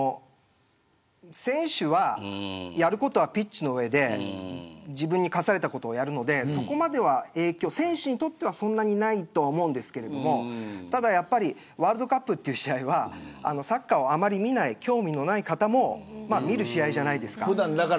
選手は、やることはピッチの上で自分に課されたことをやるので選手にとっては、そんなに影響ないと思いますがただやっぱりワールドカップという試合はサッカーをあまり見ない興味のない方も見る試合じゃないですか。